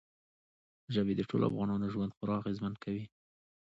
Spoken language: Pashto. ژبې د ټولو افغانانو ژوند خورا اغېزمن کوي.